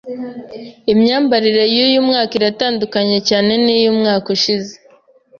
Imyambarire yuyu mwaka iratandukanye cyane niyumwaka ushize.